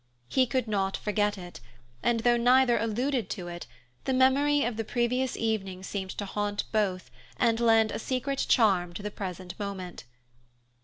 He could not forget it, and though neither alluded to it, the memory of the previous evening seemed to haunt both and lend a secret charm to the present moment.